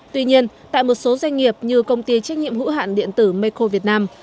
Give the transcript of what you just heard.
tuy nhiên tại một số doanh nghiệp như công ty trách nhiệm hữu hạn urc hà nội